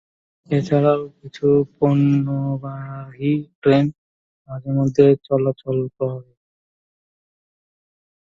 এছাড়াও কিছু পণ্যবাহী ট্রেন মাঝেমধ্যে চলাচল করে।